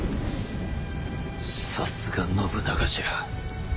さすが信長じゃ。